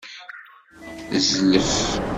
Zlef.